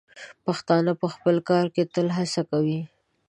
پښتانه په خپل کار کې تل ښه هڅه کوي.